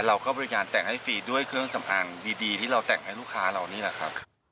เราก็บริการแต่งให้ฟรีด้วยเครื่องสำอางดีที่เราแต่งให้ลูกค้าเรานี่แหละครับ